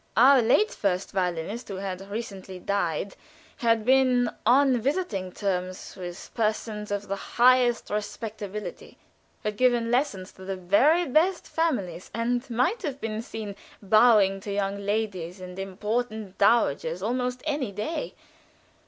Our late first violinist, who had recently died, had been on visiting terms with persons of the highest respectability, had given lessons to the very best families, and might have been seen bowing to young ladies and important dowagers almost any day.